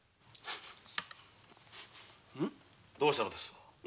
どうしたのです？